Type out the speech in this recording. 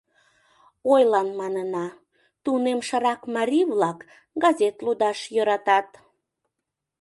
Ойлан манына, тунемшырак марий-влак газет лудаш йӧратат.